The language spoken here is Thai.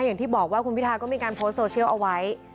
อย่างที่บอกว่าคุณพิทาก็มีการโพสต์โซเชียลเอาไว้